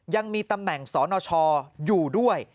ยังมีตำแหน่งสนชอยู่ด้วย